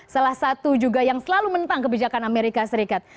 salah satu juga yang selalu mentang kebijakan amerika serikat